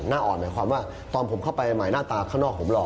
อ่อนหมายความว่าตอนผมเข้าไปใหม่หน้าตาข้างนอกผมหล่อ